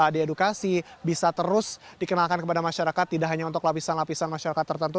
diedukasi bisa terus dikenalkan kepada masyarakat tidak hanya untuk lapisan lapisan masyarakat tertentu